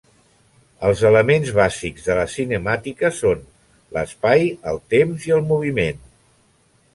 Els elements bàsics de la cinemàtica són: l'espai, el temps i el moviment.